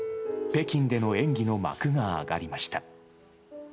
北京での演技の幕が上がりました。